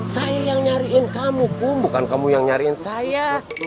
saya yang nyariin kamu pun bukan kamu yang nyariin saya